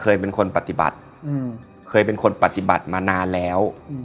เคยเป็นคนปฏิบัติเคยเป็นคนปฏิบัติมานานแล้ว